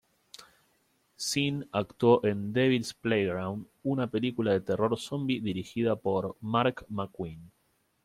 Sean actuó en "Devil's Playground", una película de terror zombie dirigida por Mark McQueen.